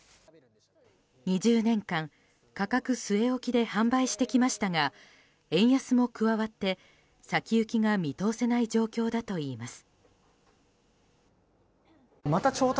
２０年間、価格据え置きで販売してきましたが円安も加わって、先行きが見通せない状況だといいます。